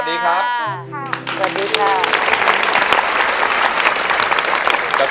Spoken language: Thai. สวัสดีค่ะ